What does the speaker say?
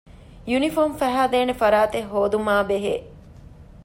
ޔުނީފޯމު ފަހައިދޭނެ ފަރާތެއް ހޯދުމާ ބެހޭ